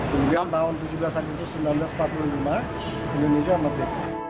kemudian tahun tujuh belas agustus seribu sembilan ratus empat puluh lima indonesia merdeka